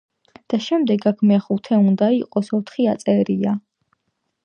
და შემდეგ აქ მეხუთე უნდა იყოს და ოთხი აწერია.